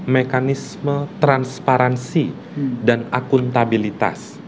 mekanisme transparansi dan akuntabilitas